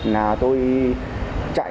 là tôi chạy